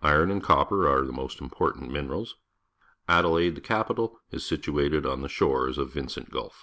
Iron and copper are the most important minerals. Adelaide, the capital, is situated on the shores of <S/. Vincent Gv.lf.